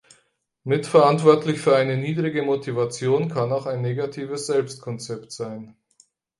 Mitverantwortlich für eine niedrige Motivation kann auch ein negatives Selbstkonzept sein.